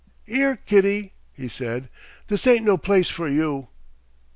"'Ere, Kitty," he said, "this ain't no place for you."